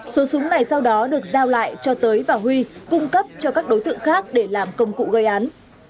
số súng này sau đó được giao lại cho tới và huy cung cấp cho các đối tượng khác để làm công cụ gây án